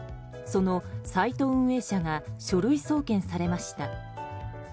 そのサイト運営者が書類送検されました。